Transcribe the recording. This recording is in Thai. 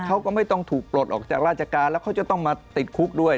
เขาก็ไม่ต้องถูกปลดออกจากราชการแล้วเขาจะต้องมาติดคุกด้วย